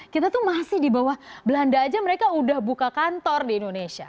kita tuh masih di bawah belanda aja mereka udah buka kantor di indonesia